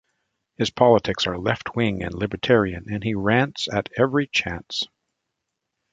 His politics are left-wing and libertarian, and he rants at every chance.